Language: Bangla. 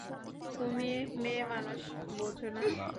তুমি মেয়েমানুষ, বোঝ না।